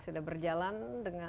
sudah berjalan dengan